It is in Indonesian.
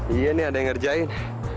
iya nih ada yang ngerjain